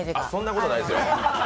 そんなことないですよ